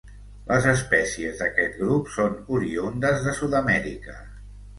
Les espècies d'aquest grup són oriündes de Sud-amèrica.